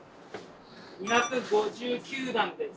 ２５９段です。